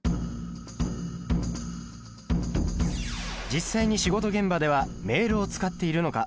実際に仕事現場ではメールを使っているのか？